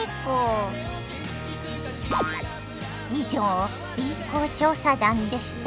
以上Ｂ公調査団でした。